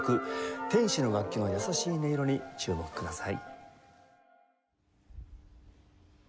天使の楽器の優しい音色に注目ください。